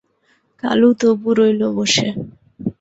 কালু তবু রইল বসে।